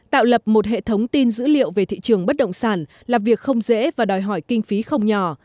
tạo lập một hệ thống tin dữ liệu về thị trường bất động sản là việc không dễ và đòi hỏi kinh phí không nhỏ